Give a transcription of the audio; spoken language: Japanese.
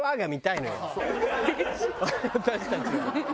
私たちは。